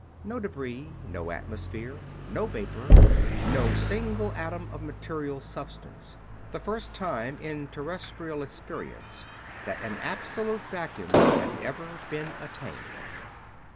No debris, no atmosphere, no vapor, no single atom of material substance the first time in Terrestrial experience that an absolute vacuum had ever been attained!